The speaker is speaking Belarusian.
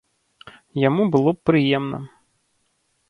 Яму было б прыемна.